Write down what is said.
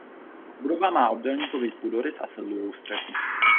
Budova má obdélníkový půdorys a sedlovou střechu.